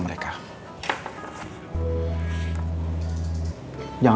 terima kasih pak